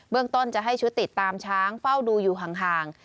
เรื่องต้นจะให้ชุดติดตามช้างเฝ้าดูอยู่ห่าง